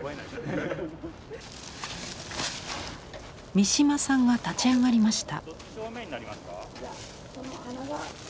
三島さんが立ち上がりました。